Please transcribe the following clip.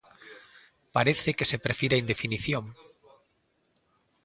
Parece que se prefire a indefinición.